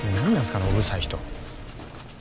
あのうるさい人。